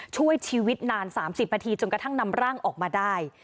ช่วยชีวิตนาน๓๐นาทีจนกระทั่งนำร่างออกมาได้